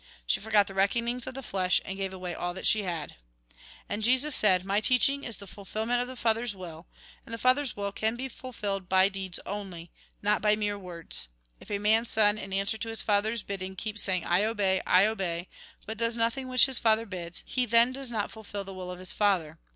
She forgot the reckonings of the flesh and gave away all that she had." And Jesus said :" My teaching is the fulfilment of the Father's will ; and the Father's will can be fulfilled by deeds only ; not by mere words. If a man's son, in answer to his father's bidding, keeps saying, ' I obey, I obey,' but does nothing which his father bids, he then does not fulfil the will of his father.